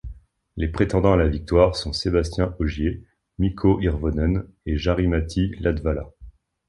Les prétendants à la victoire sont Sébastien Ogier, Mikko Hirvonen et Jari-Matti Latvala.